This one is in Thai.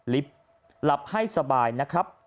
หลับให้สบายนะครับ